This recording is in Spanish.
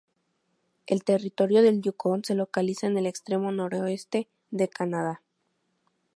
El territorio del Yukón se localiza en el extremo noroeste de Canadá.